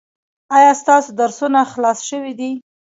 ایا ستاسو درسونه خلاص شوي دي؟